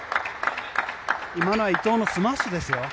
今のは伊藤のスマッシュですよ。